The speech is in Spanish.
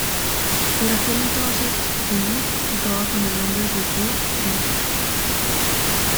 Por aquel entonces, Gullit jugaba con el nombre de Ruud Dil.